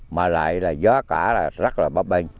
mà lại là gió cả là rất là bóp bênh